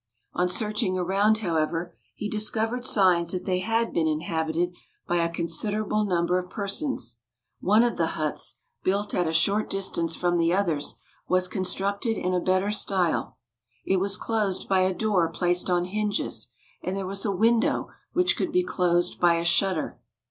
On searching around, however, he discovered signs that they had been inhabited by a considerable number of persons. One of the huts, built at a short distance from the others, was constructed in a better style. It was closed by a door placed on hinges, and there was a window which could be closed by a shutter.